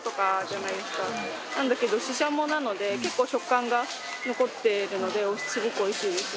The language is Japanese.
なんだけどししゃもなので結構食感が残ってるのですごくおいしいですよ。